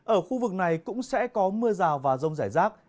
ở khu vực này cũng sẽ có mưa rào và rông rải rác